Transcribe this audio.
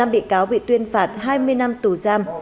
năm bị cáo bị tuyên phạt hai mươi năm tù giam